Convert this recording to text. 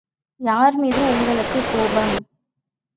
யார்மீது உங்களுக்குக் கோபம்?